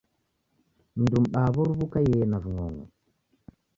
Mndu m'baa w'oruw'u ukaiee na ving'ong'o?